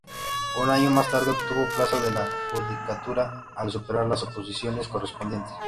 Un año más tarde, obtuvo plaza en la judicatura al superar las oposiciones correspondientes.